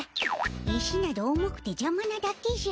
石など重くてじゃまなだけじゃ。